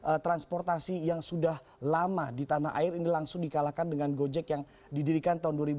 nah transportasi yang sudah lama di tanah air ini langsung dikalahkan dengan gojek yang didirikan tahun dua ribu dua